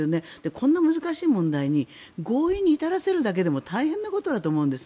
こんな難しい問題に合意に至らせるだけでも大変なことだと思うんです。